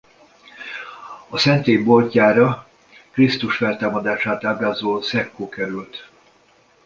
A szentély boltjára Krisztus feltámadását ábrázoló secco került.